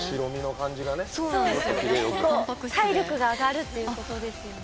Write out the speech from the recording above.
体力が上がるっていうことですよね。